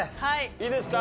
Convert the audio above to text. いいですか？